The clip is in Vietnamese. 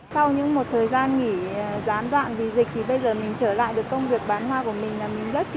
sau những một thời gian nghỉ gián đoạn vì dịch thì bây giờ mình trở lại được công việc bán hoa của mình là mình rất là thấn khởi